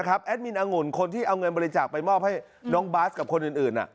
แอดมินองุ่นคนที่เอาเงินบริจาคไปมอบให้น้องบาสกับคนอื่น